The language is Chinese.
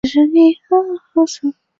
后奉旨输送万石米抵达陕西赈灾。